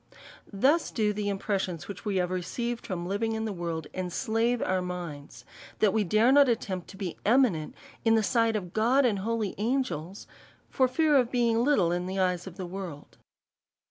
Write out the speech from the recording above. Thus do the impressions, which we have received from living in the world, enslave our minds, that we dare not attempt to ]je eminent in the sight of God, and holy angels, for fear of being little in the eyes of the world.